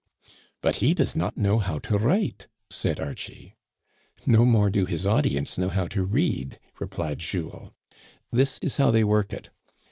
" But he does not know how to write," said Archie. "No more do his audience know how to read," re plied Jules. This is how they work it.